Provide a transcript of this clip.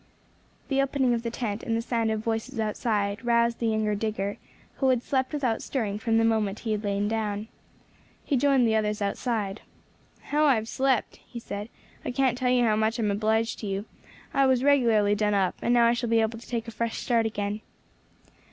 The opening of the tent, and the sound of voices outside, roused the younger digger, who had slept without stirring from the moment he had lain down. He joined the others outside. "How I have slept!" he said. "I can't tell you how much I am obliged to you; I was regularly done up, and now I shall be able to take a fresh start again."